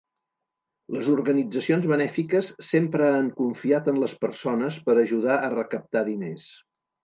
Les organitzacions benèfiques sempre han confiat en les persones per ajudar a recaptar diners.